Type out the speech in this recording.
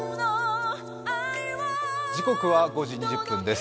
時刻は５時２０分です。